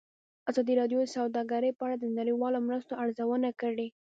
ازادي راډیو د سوداګري په اړه د نړیوالو مرستو ارزونه کړې.